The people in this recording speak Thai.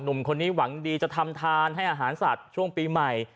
หนุ่มคนนี้หวังดีจะทำทานให้อาหารสัตว์ช่วงปีใหม่